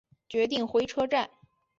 决定回车站